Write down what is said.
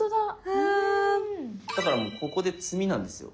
だからここで詰みなんですよ。